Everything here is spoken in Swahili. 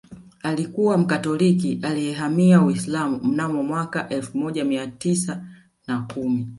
Alikuwa Mkatoliki aliyehamia Uislamu mnamo mwaka elfu moja mia tisa na kumi